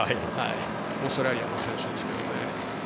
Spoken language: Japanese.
オーストラリアの選手ですけどね。